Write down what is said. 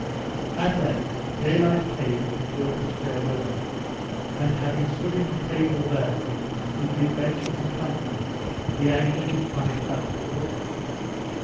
At length day light came and brought us fair weather; and having stood into Table Bay, with the Adventure in company, we anchored in five fathom water.